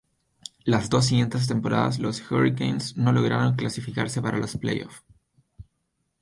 Las dos siguientes temporadas los Hurricanes no lograron clasificarse para los playoff.